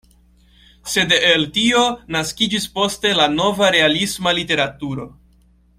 Sed el tio naskiĝis poste la nova realisma literaturo.